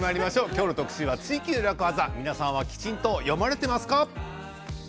今日は特集は「ツイＱ楽ワザ」皆さんはきちんと読まれていますか。